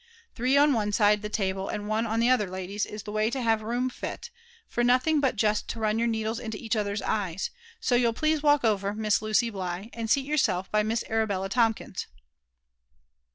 Three on one side the table, and one on the other, ladies, is the way to have room fit — f6r nothing but just to run your needles into each other's eyes; so you'll please to walk over. Miss Lucy Bligh, and seat yourself by Miss Arabella Tomkins."